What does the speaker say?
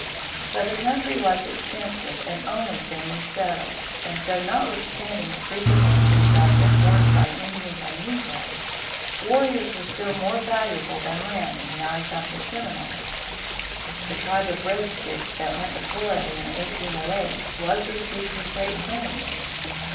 But the country was extensive and only thinly settled; and so, notwithstanding the frequent increase of their force by Indians and negroes, warriors were still more valuable than land in the eyes of the Seminoles. The tribe of Red Sticks that went to Florida in 1808 was received with great friendliness.